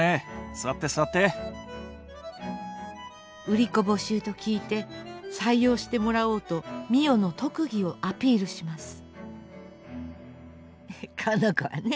売り子募集と聞いて採用してもらおうと美世の特技をアピールします。